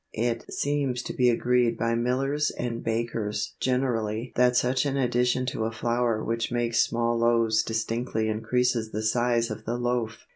It seems to be agreed by millers and bakers generally that such an addition to a flour which makes small loaves distinctly increases the size of the loaf.